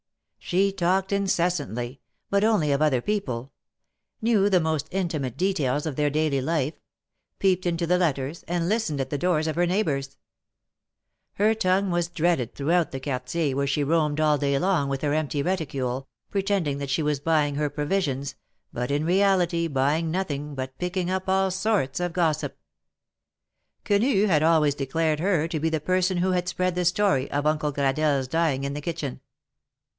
She talked incessantly, but only of other people — knew the most intimate details of their daily life; peeped into the letters, and listened at the doors of her neighbors. Her tongue was dreaded throughout the Quartier where she roamed all day long with her empty reticule, pretending that she was buying her provisions, but in reality buying nothing, but picking up all sorts of gossip. Quenu had THE MARKETS OF PARIS. 93 always declared her to be the person who had spread the story of Uncle Gradelle^s dying in the kitchen.